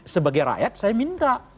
sebagai rakyat saya minta